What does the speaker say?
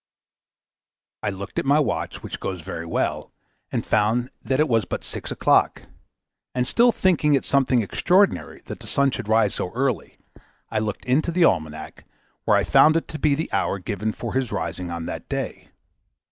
I looked at my watch, which goes very well, and found that it was but six o'clock; and still thinking it something extraordinary that the sun should rise so early, I looked into the almanac, where I found it to be the hour given for his rising on that day.